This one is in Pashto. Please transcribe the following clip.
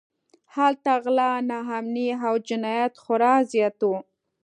هلته غلا، ناامنۍ او جنایت خورا زیات و.